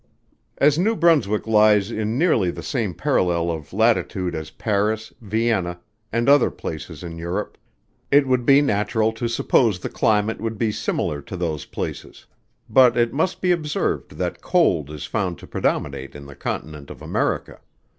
_ As New Brunswick lies in nearly the same parallel of latitude as Paris, Vienna, and other places in Europe, it would be natural to suppose the climate would be similar to those places; but it must be observed that cold is found to predominate on the continent of America.